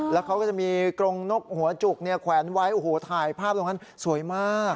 แล้วเขาก็จะมีกรงนกหัวจุกเนี่ยแขวนไว้โอ้โหถ่ายภาพตรงนั้นสวยมาก